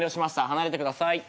離れてください。